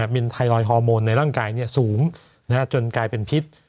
มีไทรอยฮอร์โมนในร่างกายสูงจนกลายเป็นพิษ